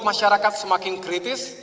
masyarakat semakin kritis